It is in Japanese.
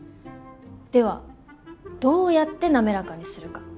ではどうやって滑らかにするか。